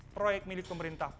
proyek milik pemerintah